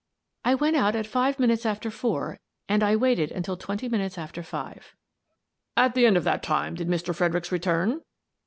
" "I went out at five minutes after four and I waited until twenty minutes after five." "At the end of that time did Mr. Fredericks return?"